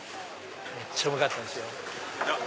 めっちゃうまかったんすよ。